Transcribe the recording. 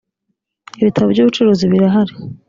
ibitabo by’ ubucuruzi birahari